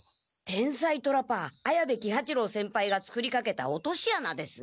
天才トラパー綾部喜八郎先輩が作りかけた落としあなですね。